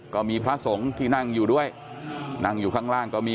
ก็มีพระสงฆ์ที่นั่งอยู่ด้วยนั่งอยู่ข้างล่างก็มี